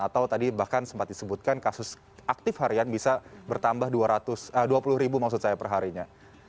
atau tadi bahkan sempat disebutkan kasus aktif harian bisa bertambah dua puluh ribu maksud saya perharinya